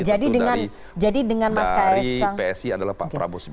jadi dengan mas ksang menjadi ketua umum psi gerindra yakni